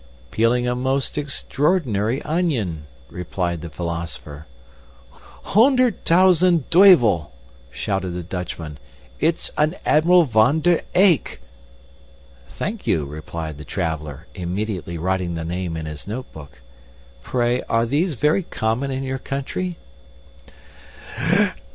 "Peeling a most extraordinary onion," replied the philosopher. "Hundert tousant tuyvel!" shouted the Dutchman, "it's an Admiral Van der Eyk!" "Thank you," replied the traveler, immediately writing the name in his notebook. "Pray, are these very common in your country?"